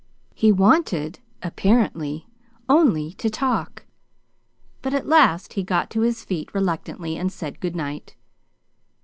He wanted, apparently, only to talk; but at last he got to his feet reluctantly and said good night.